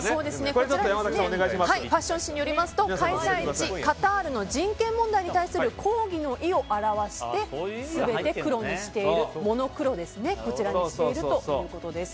ファッション誌によると開催地カタールの人権問題に対する抗議の意を表してモノクロにしているということです。